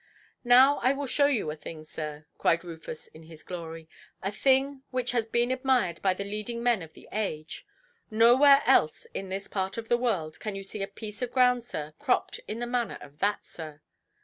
"Now I will show you a thing, sir", cried Rufus in his glory, "a thing which has been admired by the leading men of the age. Nowhere else, in this part of the world, can you see a piece of ground, sir, cropped in the manner of that, sir".